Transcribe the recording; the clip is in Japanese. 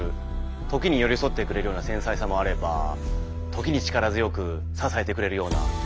時に寄り添ってくれるような繊細さもあれば時に力強く支えてくれるような。